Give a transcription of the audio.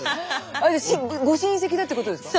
あっじゃご親戚だってことですか？